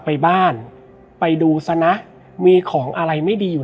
และวันนี้แขกรับเชิญที่จะมาเชิญที่เรา